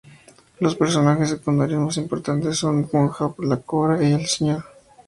Los personajes secundarios más importantes son Punjab, la cobra y el Sr.